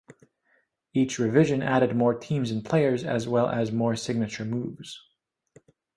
Each revision added more teams and players, as well as more signature moves.